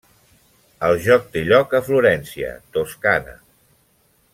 El joc té lloc a Florència, Toscana.